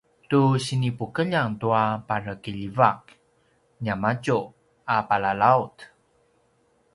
tu sinipukeljang tua parekiljivak niamadju a palalaut